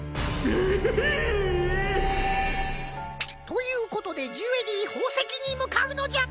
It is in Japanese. ひいっ！ということでジュエリーほうせきにむかうのじゃ！